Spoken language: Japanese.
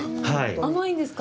甘いんですか。